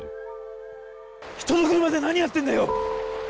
人の車で何やってんだよ！